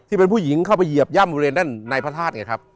เป็นผู้หญิงเข้าไปเหยียบย่ำบริเวณด้านในพระธาตุไงครับ